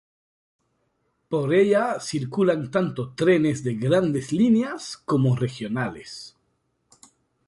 Por ella circulan tanto trenes de grandes líneas como regionales.